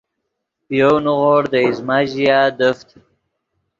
پے یَؤْ نیغوڑ دے ایزمہ ژیا دیفت